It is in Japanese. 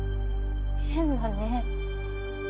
変だね。